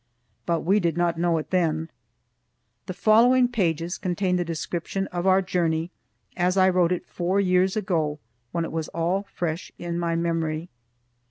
But we did not know it then. The following pages contain the description of our journey, as I wrote it four years ago, when it was all fresh in my memory.